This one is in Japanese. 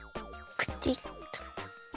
クチッと。